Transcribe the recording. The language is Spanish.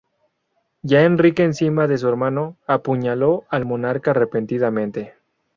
Ya Enrique encima de su hermano, apuñaló al monarca repetidamente.